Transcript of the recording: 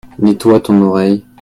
Nettoie ton oreille.